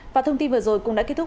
và thông tin vừa rồi cũng đã kết thúc